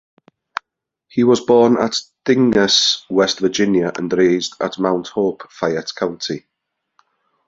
He was born at Dingess, West Virginia and raised at Mount Hope, Fayette County.